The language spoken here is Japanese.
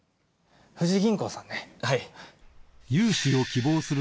富士銀行さんね。